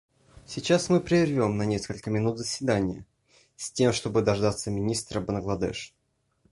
Сейчас мы прервем на несколько минут заседание, с тем чтобы дождаться министра Бангладеш.